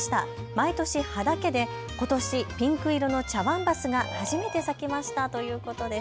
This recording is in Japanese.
毎年、畑でことしピンク色の茶碗蓮が初めて咲きましたということです。